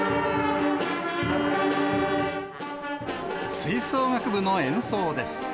吹奏楽部の演奏です。